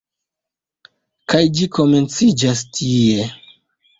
Kaj ĝi komenciĝas tie.